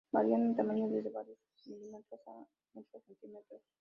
Varían en tamaño desde varios milímetros a muchos centímetros.